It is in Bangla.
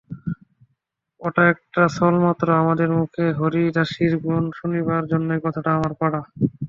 ওটা একটা ছলমাত্র— আপনার মুখে হরিদাসীর গুণ শুনিবার জন্যই কথাটা আমার পাড়া।